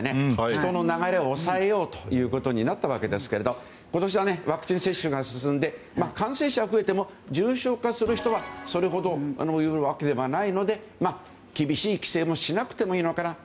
人の流れを抑えようということになったわけですけど今年はワクチン接種が進んで感染者は増えても重症化する人はそれほどいるわけではないので厳しい規制もしなくてもいいのかなと。